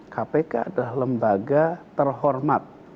kpk adalah lembaga terhormat